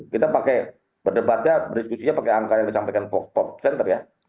kita pakai berdebatnya berdiskusinya pakai angka yang disampaikan top center ya